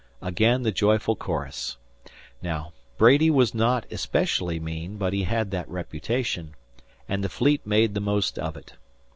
Again the joyful chorus. Now, Brady was not especially mean, but he had that reputation, and the Fleet made the most of it.